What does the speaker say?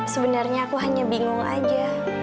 sebenarnya aku hanya bingung aja